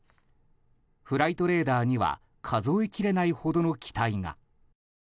フライトレーダーには数えきれないほどの機体が。